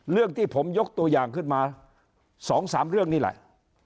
เรื่องที่ผมยกตัวอย่างขึ้นมา๒๓เรื่องนี่แหละ